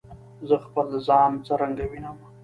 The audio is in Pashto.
زه خپل ځان څرنګه وینم؟